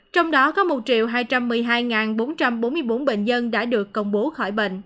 trong đó có một hai trăm một mươi hai bốn trăm bốn mươi bốn bệnh nhân đã được công bố khỏi bệnh